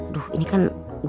aduh ini kan